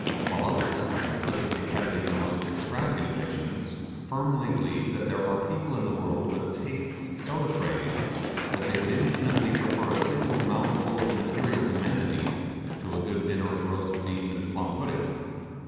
While others, implicitly crediting the most extravagant fictions, firmly believe that there are people in the world with tastes so depraved that they would infinitely prefer a single mouthful of material humanity to a good dinner of roast beef and plum pudding.